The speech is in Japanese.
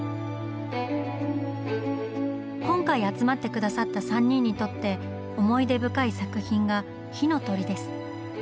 今回集まって下さった３人にとって思い出深い作品が「火の鳥」です。